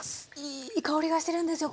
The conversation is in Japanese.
いい香りがしてるんですよ。